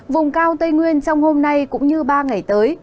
vùng cao tây nguyên trong hôm nay cũng như ba ngày tới